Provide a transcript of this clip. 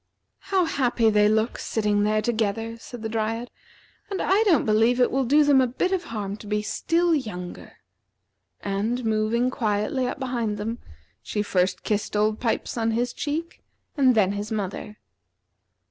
"How happy they look, sitting there together," said the Dryad; "and I don't believe it will do them a bit of harm to be still younger." And moving quietly up behind them, she first kissed Old Pipes on his cheek and then his mother.